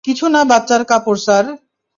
কিছু না বাচ্চার কাপড়, স্যার।